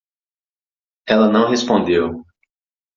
Ela não respondeu.